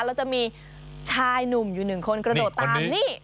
แล้วจะมีชายหนุ่มอยู่หนึ่งคนกระโดดตามนี่